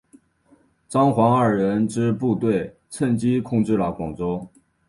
张黄二人之部队趁机控制了广州。